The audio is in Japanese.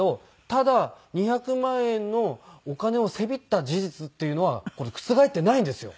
ただ２００万円のお金をせびった事実っていうのはこれ覆っていないんですよ。